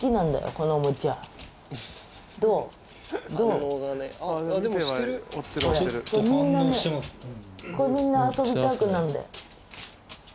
これみんな遊びたくなるんだよ。